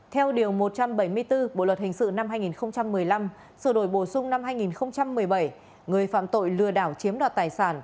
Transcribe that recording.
theo điều một trăm bảy mươi bốn bộ luật hình sự năm hai nghìn một mươi năm sự đổi bổ sung năm hai nghìn một mươi bảy người phạm tội lừa đảo chiếm đoạt tài sản